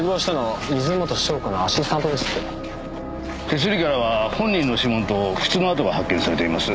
手すりからは本人の指紋と靴の跡が発見されています。